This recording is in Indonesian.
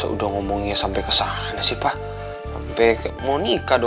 aku jangan menyayangi kamu